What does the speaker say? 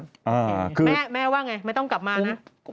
แม่ว่าอย่างไรไม่ต้องกลับมานะ